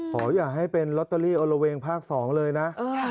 อย่าให้เป็นลอตเตอรี่อละเวงภาค๒เลยนะ